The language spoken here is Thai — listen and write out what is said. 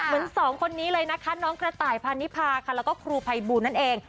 สองคนนี้เลยนะคะน้องกระต่ายพาณิพาค่ะแล้วก็ครูภัยบูลนั่นเอง